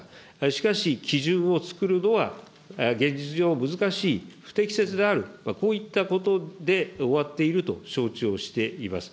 しかし、基準をつくるのは現実上、難しい、不適切である、こういったことで終わっていると承知をしています。